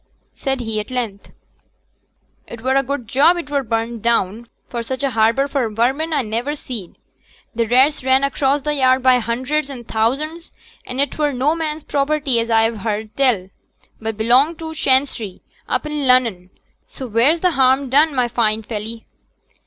said he at length, 'it were a good job it were brenned down, for such a harbour for vermin a never seed: t' rats ran across t' yard by hunders an' thousands; an' it were no man's property as a've heerd tell, but belonged to Chancery, up i' Lunnon; so wheere's t' harm done, my fine felly?'